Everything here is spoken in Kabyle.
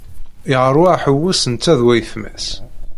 Yeṛwa aḥewwes netta d wayetma-s.